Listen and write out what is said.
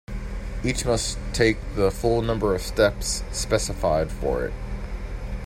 Each must take the full number of steps specified for it.